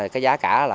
cái giá cả là